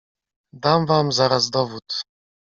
"Dam wam zaraz dowód."